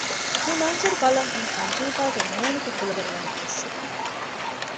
މި މަންޒަރު ބަލަން އިން އަންޖޫދާގެ މޫނުގެ ކުލަވަރު ވަނީ އޮއްސިފަ